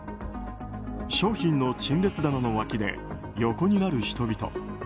商品の陳列棚の脇で横になる人々。